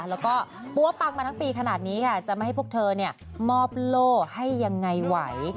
แล้วก็ปั๊วปังมาทั้งปีขนาดนี้ค่ะจะไม่ให้พวกเธอมอบโล่ให้ยังไงไหว